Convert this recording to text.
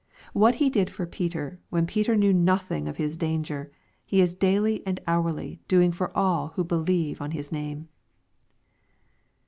What He did for Peter, when Peter knew nothing of his danger, He is daily and hourly doing for all who beheve on His name.